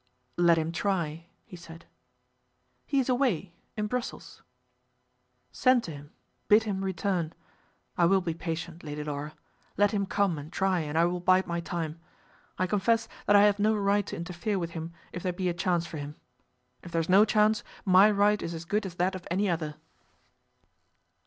"Let him try," he said. "He is away, in Brussels." "Send to him, and bid him return. I will be patient, Lady Laura. Let him come and try, and I will bide my time. I confess that I have no right to interfere with him if there be a chance for him. If there is no chance, my right is as good as that of any other."